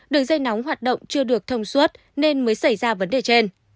đường dây nóng hoạt động chưa được thông suốt nên mới xảy ra vấn đề trên